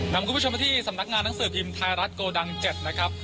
นำคุณผู้ชมมาที่สำนักงานหนังสือพิมพ์ไทยรัฐโกดัง๗นะครับ